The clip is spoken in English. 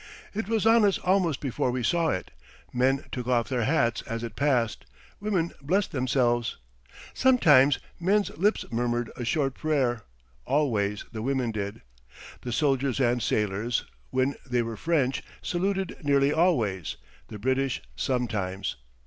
It was on us almost before we saw it. Men took off their hats as it passed; women blessed themselves. Sometimes men's lips murmured a short prayer; always the women did. The soldiers and sailors, when they were French, saluted nearly always; the British sometimes.